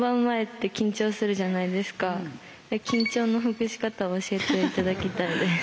緊張のほぐし方を教えて頂きたいです。